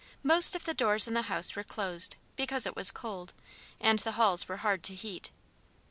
Most of the doors in the house were closed, because it was cold, and the halls were hard to heat.